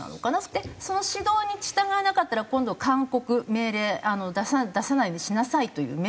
でその指導に従わなかったら今度勧告命令出さないようにしなさいという命令があります。